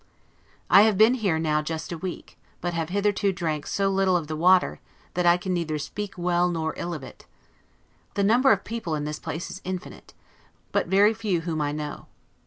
I have been here now just a week; but have hitherto drank so little of the water, that I can neither speak well nor ill of it. The number of people in this place is infinite; but very few whom I know.